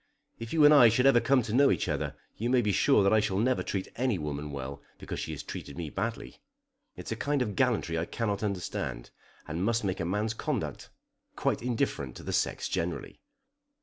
If you and I should ever come to know each other, you may be sure that I shall never treat any woman well because she has treated me badly. It's a kind of gallantry I cannot understand, and must make a man's conduct quite indifferent to the sex generally.